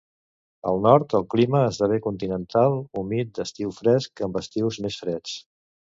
Al nord, el clima esdevé continental humit d'estiu fresc, amb estius més freds.